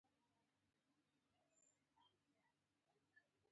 دوی ته دا احساس ورکولای شي.